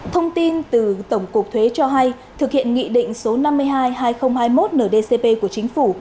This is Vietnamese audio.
thông tin từ tổng cục thuế cho hay thực hiện nghị định số năm mươi hai hai nghìn hai mươi một ndcp của chính phủ